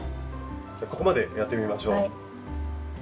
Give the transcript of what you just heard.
ここまでやってみましょう。